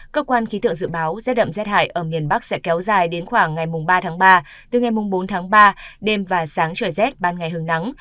cơ quan khí tượng dự báo rét đậm rét hải ở miền bắc sẽ kéo dài đến khoảng ngày ba ba từ ngày bốn ba đêm và sáng trời rét ban ngày hương nắng